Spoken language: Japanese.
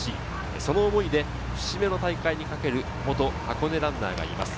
その思いで節目の大会にかける元箱根ランナーがいます。